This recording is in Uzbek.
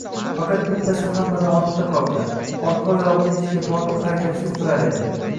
Faqat bittasi hammadan ortda qolgan, orqa oyogʻini ichiga tortib harakatsiz turar edi